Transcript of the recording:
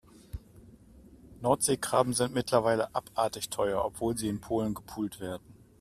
Nordseekrabben sind mittlerweile abartig teuer, obwohl sie in Polen gepult werden.